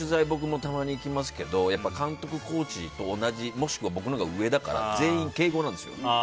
僕もたまに行きますけどやっぱ監督、コーチと同じもしくは僕のほうが上だから全員敬語なんですよ。